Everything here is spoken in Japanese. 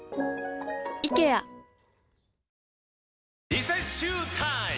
リセッシュータイム！